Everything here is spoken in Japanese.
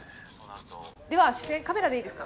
・では視線カメラでいいですか？